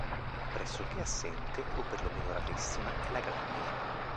Pressoché assente o perlomeno rarissima è la grandine.